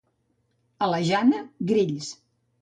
A la Jana, grills.